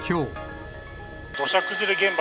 土砂崩れ現場